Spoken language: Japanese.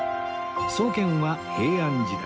創建は平安時代